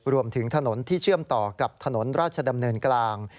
รวมถึงถนนที่เชื่อมต่อกับถนนราชดำเนินกลาง